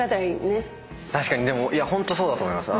確かにでもホントそうだと思います。